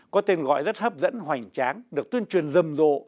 có tên gọi rất hấp dẫn hoành tráng được tuyên truyền rầm rộ